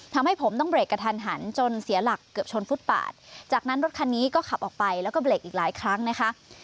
ทำให้ผมต้องเบรกกระทันหันจนเสียหลักเกือบชนฟุตปาดจากนั้นรถคันนี้ก็ขับออกไปแล้วก็เบรกอีกหลายครั้งนะคะ